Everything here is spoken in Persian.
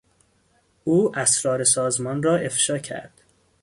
او اسرار سازمان را افشا کرد.